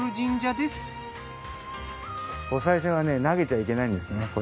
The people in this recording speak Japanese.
投げちゃいけないんですね。